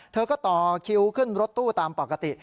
เธอก็ต่อคิวขึ้นรถตู้ตามปกติ